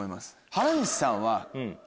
原西さんは。